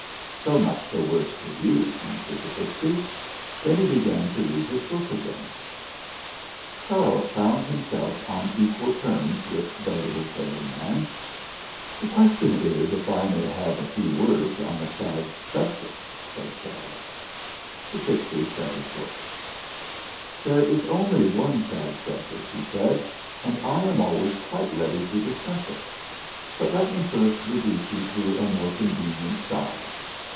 "So much the worse for you," answered the pixy. Then he began to read his book again. Charles found himself on equal terms with the Uttle fairy man DE QUINCEY 95 "The question is if I may have a few words on a sad subject," said Charles. The pixy shut his book. ' There is only one sad subject/' he said. "And I am always quite ready to discuss it. But let me first reduce you to a more convenient size.